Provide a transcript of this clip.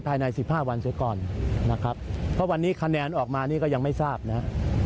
ภายใน๑๕วันเสียก่อนนะครับเพราะวันนี้คะแนนออกมานี่ก็ยังไม่ทราบนะครับ